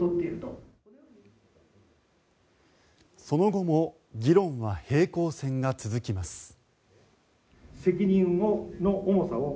その後も議論は平行線が続きます。